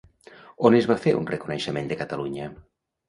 On es va fer un reconeixement de Catalunya?